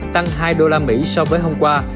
tăng hai đô la mỹ so với hôm qua